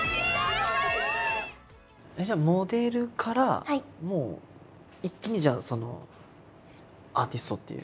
じゃあモデルからもう一気にアーティストっていう。